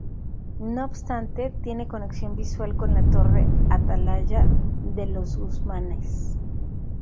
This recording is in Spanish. No obstante, tiene conexión visual con la Torre-atalaya de los Guzmanes.